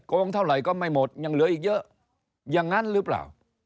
งงเท่าไหร่ก็ไม่หมดยังเหลืออีกเยอะอย่างนั้นหรือเปล่า